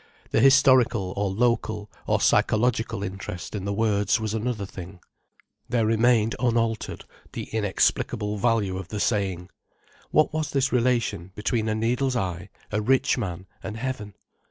The historical, or local, or psychological interest in the words was another thing. There remained unaltered the inexplicable value of the saying. What was this relation between a needle's eye, a rich man, and heaven?